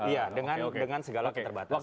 iya dengan segala yang terbatas